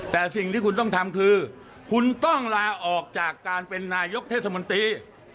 แต่สิ่งที่คุณต้องทำคือคุณต้องลาออกจากการเป็นนายกเทศมนตรี